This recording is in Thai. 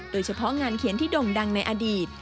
โดยเฉพาะงานเขียนที่ด่งดังในอดีต